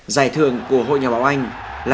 giải thưởng của hội nhà báo anh là